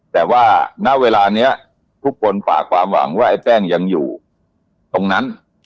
แต่ว่าณเวลานี้ทุกคนฝากความหวังว่าไอ้แป้งยังอยู่ตรงนั้น